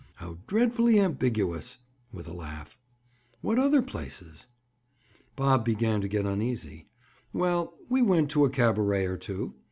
"How dreadfully ambiguous!" With a laugh. "What other places?" Bob began to get uneasy. "Well, we went to a cabaret or two."